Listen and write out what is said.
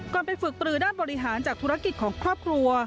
ไปฝึกปรือด้านบริหารจากธุรกิจของครอบครัว